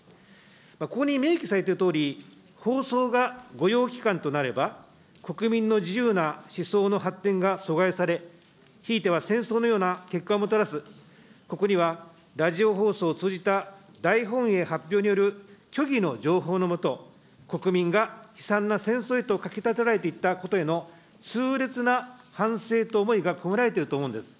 ここに明記されてるとおり、放送が御用機関となれば、国民の自由な思想の発展が阻害され、ひいては戦争のような結果をもたらす、ここにはラジオ放送を通じた大本営発表による虚偽の情報の下、国民が悲惨な戦争へとかき立てられていったことへの、痛烈な反省と思いが込められていると思うんです。